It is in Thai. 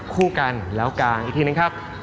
คู่กันแล้วกางอีกทีหนึ่งครับ